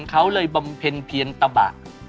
เขาเลยบำเพ็ญเพียรตะบะ